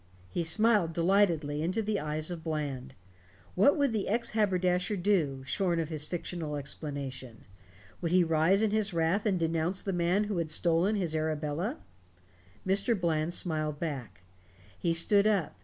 He smiled delightedly into the eyes of Bland. What would the ex haberdasher do, shorn of his fictional explanation? Would he rise in his wrath and denounce the man who had stolen his Arabella? Mr. Bland smiled back. He stood up.